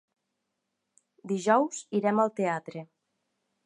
Dijous irem al teatre.